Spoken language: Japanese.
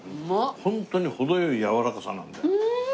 ホントに程良いやわらかさなんだよ。